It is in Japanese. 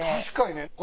確かにね。